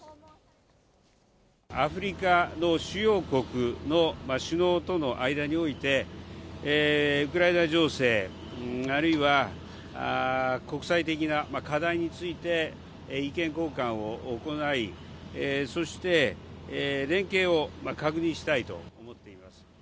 アフリカの主要国の首脳との間において、ウクライナ情勢、あるいは国際的な課題について、意見交換を行い、そして連携を確認したいと思っています。